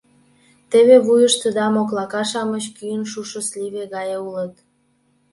Теве вуйыштыда моклака-шамыч кӱын шушо сливе гае улыт.